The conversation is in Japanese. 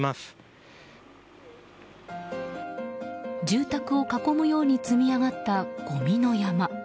住宅を囲むように積み上がったごみの山。